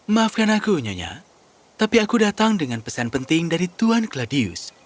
maafkan aku nyonya tapi aku datang dengan pesan penting dari tuhan gladius